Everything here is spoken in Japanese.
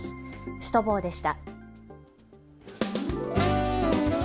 シュトボーでした。